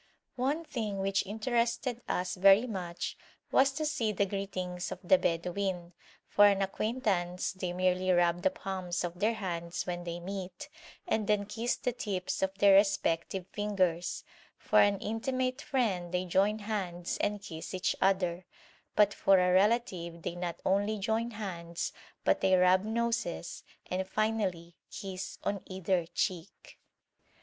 One thing which interested us very much was to see the greetings of the Bedouin: for an acquaintance they merely rub the palms of their hands when they meet, and then kiss the tips of their respective fingers; for an intimate friend they join hands and kiss each other; but for a relative they not only join hands, but they rub noses and finally kiss on either cheek.